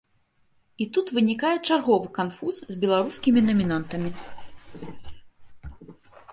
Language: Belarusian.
І тут вынікае чарговы канфуз з беларускімі намінантамі.